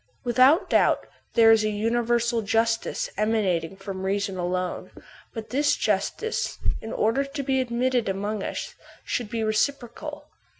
Without doubt there is a universal justice emanating from reason alone; but this justice, in order to be admitted among us, should be reciprocal.